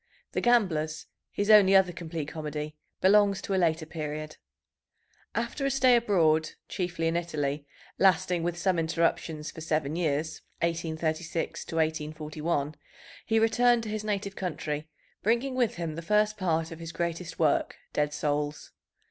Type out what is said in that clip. The Gamblers, his only other complete comedy, belongs to a later period. After a stay abroad, chiefly in Italy, lasting with some interruptions for seven years (1836 1841), he returned to his native country, bringing with him the first part of his greatest work, Dead Souls.